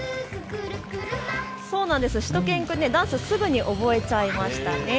そうなんです、しゅと犬くんダンスすぐに覚えちゃいましたね。